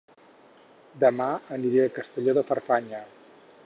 Dema aniré a Castelló de Farfanya